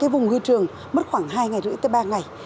vùng ngư trường mất khoảng hai ba ngày